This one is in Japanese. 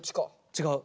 違う。